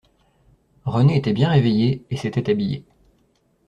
René était bien réveillé et s’était habillé.